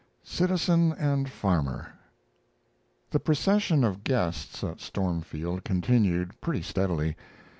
CITIZEN AND FARMER The procession of guests at Stormfield continued pretty steadily.